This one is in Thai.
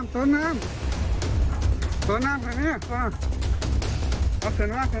แบบนี้คือแบบนี้คือแบบนี้คือ